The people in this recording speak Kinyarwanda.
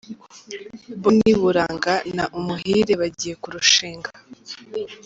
Bonny Buranga na Umuhire bagiye kurushinga.